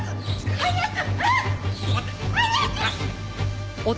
早く！